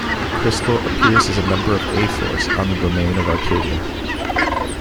Crystal appears as a member of A-Force on the domain of Arcadia.